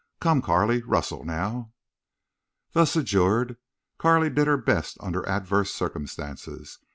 Come, Carley, rustle now." Thus adjured, Carley did her best under adverse circumstances.